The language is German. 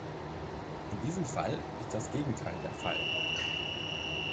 In diesem Fall ist das Gegenteil der Fall.